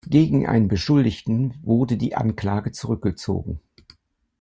Gegen einen Beschuldigten wurde die Anklage zurückgezogen.